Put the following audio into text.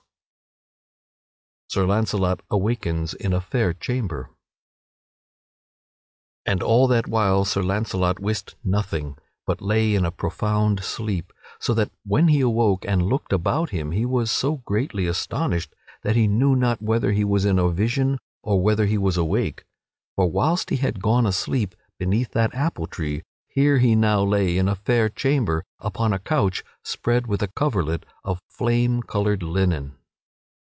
[Sidenote: Sir Launcelot awakens in a fair chamber] And all that while Sir Launcelot wist nothing, but lay in a profound sleep, so that when he awoke and looked about him he was so greatly astonished that he knew not whether he was in a vision or whether he was awake. For whilst he had gone asleep beneath that apple tree, here he now lay in a fair chamber upon a couch spread with a coverlet of flame colored linen.